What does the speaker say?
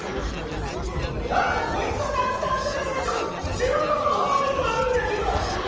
こいつのダンスダンスレボリューション１６方位もあるんやけど。